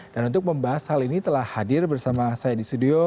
untuk membahas hal ini telah hadir bersama saya di studio